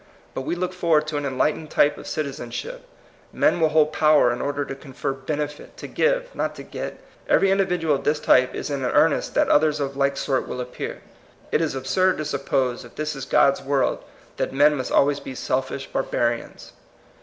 But we look for ward to an enlightened type of citizen ship; men will hold power in order to confer benefit, to give, not to get. Every individual of this type is an earnest that others of like sort will appear. It is ab surd to suppose, if this is God's world, that men must always be selfish barba rians.